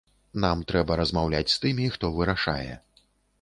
Нам трэба размаўляць з тымі, хто вырашае.